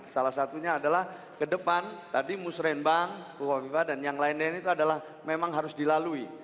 salah satunya adalah kedepan tadi musrembang buah buah dan yang lain lain itu adalah memang harus dilalui